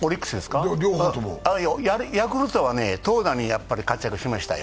ヤクルトは投打に活躍しましたよ。